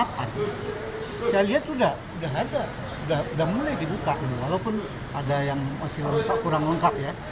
saya lihat sudah ada sudah mulai dibuka walaupun ada yang masih kurang lengkap ya